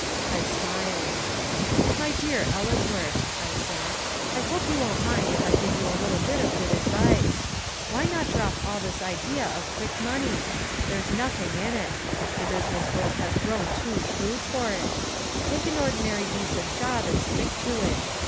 I smiled. "My dear Ellesworth," I said, "I hope you won't mind if I give you a little bit of good advice. Why not drop all this idea of quick money? There's nothing in it. The business world has grown too shrewd for it. Take an ordinary decent job and stick to it.